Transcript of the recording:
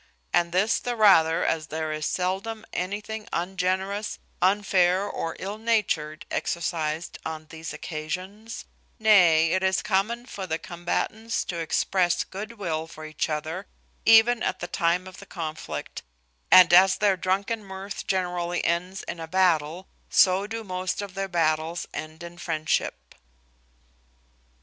And this the rather, as there is seldom anything ungenerous, unfair, or ill natured, exercised on these occasions: nay, it is common for the combatants to express good will for each other even at the time of the conflict; and as their drunken mirth generally ends in a battle, so do most of their battles end in friendship.